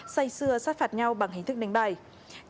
xây xưa sát phạt nhau bằng hình thức đánh bạc